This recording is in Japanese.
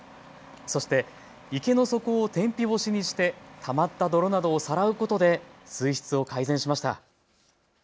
そして池の底を天日干しにしてたまった泥などをさらうことで水質を改善しました。